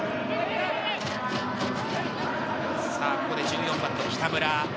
ここで１４番の北村。